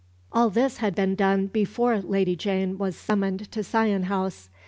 All this had been done before Lady Jane was summoned to Sion House.